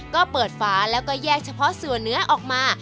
ก็เปิดฝาแล้วก็แยกเฉพาะส่วนเนื้อออกมา